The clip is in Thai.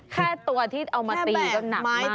แค่ตัวที่เอามาตีก็หนักมากแล้ว